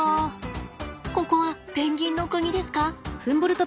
ここはペンギンの国ですか？